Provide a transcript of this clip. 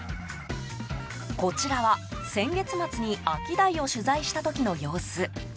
こちらは先月末にアキダイを取材した時の様子。